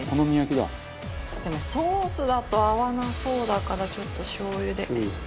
でもソースだと合わなそうだからちょっとしょう油で。